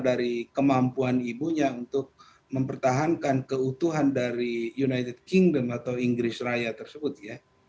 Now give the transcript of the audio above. dari kemampuan ibunya untuk mempertahankan keutuhan dari united kingdom atau inggris raya tersebut ya